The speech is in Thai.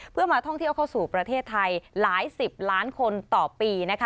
เพื่อมาท่องเที่ยวเข้าสู่ประเทศไทยหลายสิบล้านคนต่อปีนะคะ